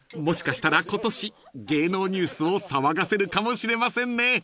もしかしたら今年芸能ニュースを騒がせるかもしれませんね］